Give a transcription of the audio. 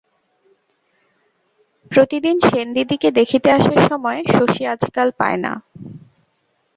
প্রতিদিন সেনদিদিকে দেখিতে আসার সময় শশী আজকাল পায় না।